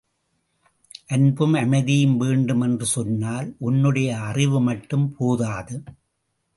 அன்பும் அமைதியும் வேண்டுமென்று சொன்னால், உன்னுடைய அறிவுமட்டும் போதாது.